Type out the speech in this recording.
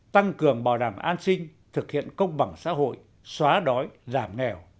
tăng cường bảo đảm an sinh thực hiện công bằng xã hội xóa đói giảm nghèo